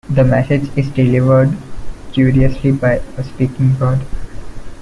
The message is delivered, curiously, by a speaking bird.